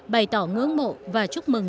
bày tỏ ngưỡng mộ và chúc mừng